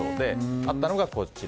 あったのが、こちら。